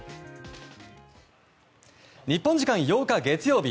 日本時間８日、月曜日。